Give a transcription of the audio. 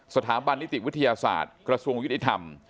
สถาบันนิติวิทยาศาสตร์กระทรวงยุติธรรม